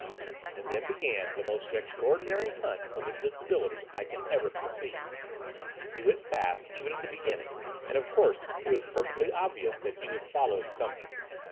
And then began the most extraordinary hunt of invisibility I can ever conceive. He went fast even at the beginning, and, of course, it was perfectly obvious that he was following something.